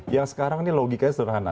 yang sekarang ini logikanya sederhana